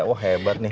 wah hebat nih